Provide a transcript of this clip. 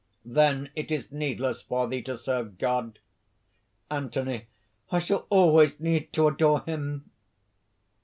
"Then it is needless for thee to serve God?" ANTHONY. "I shall always need to adore Him."